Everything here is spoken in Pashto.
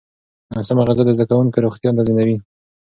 سمه غذا د زده کوونکو روغتیا تضمینوي.